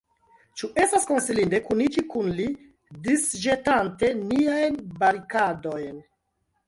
Ĉu estas konsilinde kuniĝi kun li, disĵetante niajn barikadojn?